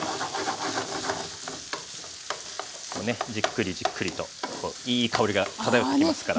じっくりじっくりといい香りが漂ってきますから。